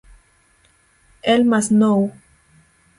El Masnou.